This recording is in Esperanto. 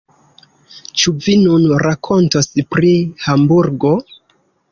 Ĉu vi nun rakontos pri Hamburgo?